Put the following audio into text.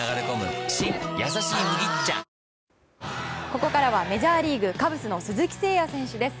ここからはメジャーリーグカブスの鈴木誠也選手です。